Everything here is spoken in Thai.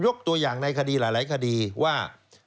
ตัวอย่างในคดีหลายคดีว่า